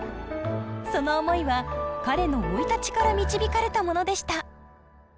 その思いは彼の生い立ちから導かれたものでした。